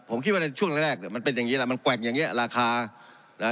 ผมคิดว่าในช่วงแรกมันเป็นอย่างนี้มันแกวะอย่างนี้ราคา